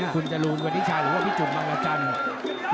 คุณจรูนวันนี้ชายหรือว่าพี่จุ่มบังรจันทร์